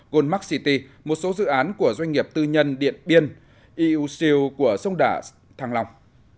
goldmark city một số dự án của doanh nghiệp tư nhân điện biên eu shield của sông đà thăng lòng